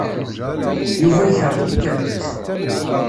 Yuba yekṛeh tikerkas.